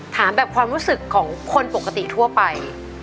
ถามแบบความรู้สึกของคนปกติทั่วไป